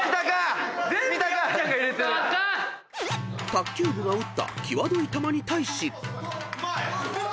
［卓球部が打った際どい球に対し］